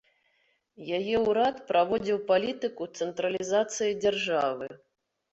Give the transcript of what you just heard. Яе ўрад праводзіў палітыку цэнтралізацыі дзяржавы.